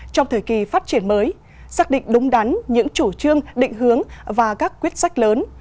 trong thời kỳ phát triển mới xác định đúng đắn những chủ trương định hướng và các quyết sách lớn